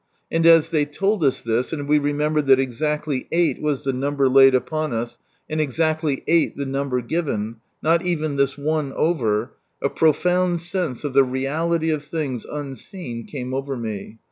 And as they told us this, and we remem bered that exactly eight was the number laid upon us, and exactly eight the num ber given — not even this one over— a profound sense of the reality of things unseen came over rae.